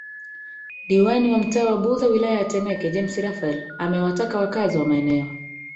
Diwani wa mtaa wa Buza wilaya ya Temeke James Rafael amewataka wakazi wa maeneo